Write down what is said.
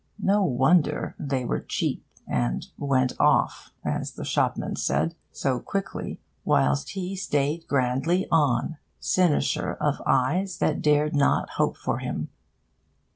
No wonder they were cheap, and 'went off,' as the shopman said, so quickly, whilst he stayed grandly on, cynosure of eyes that dared not hope for him.